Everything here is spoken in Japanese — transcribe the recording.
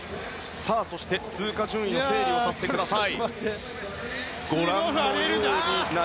通過順位の整理をさせてください。